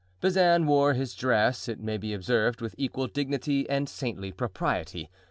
Bazin wore his dress, it may be observed, with equal dignity and saintly propriety.